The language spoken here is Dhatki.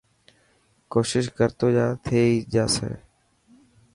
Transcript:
ڪوشش ڪرتو جا ٿي هي باسي.